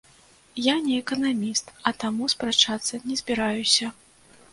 Я не эканаміст, а таму спрачацца не збіраюся.